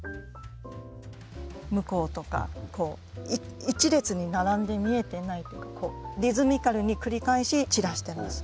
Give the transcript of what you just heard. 向こうとか一列に並んで見えてないっていうかリズミカルに繰り返し散らしてます。